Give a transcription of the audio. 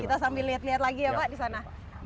kita sambil lihat lihat lagi ya pak di sana